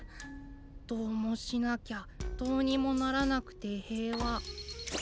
どうもしなきゃどうにもならなくてへいわ。